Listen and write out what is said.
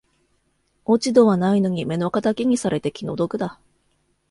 落ち度はないのに目の敵にされて気の毒だ